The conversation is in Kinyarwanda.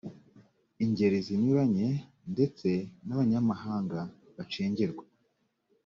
ingeri zinyuranye ndetse n abanyamahanga bacengerwa